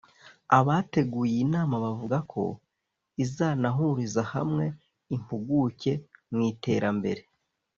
Abateguye iyi nama bavuga ko izanahurizahamwe impuguke mu iterambere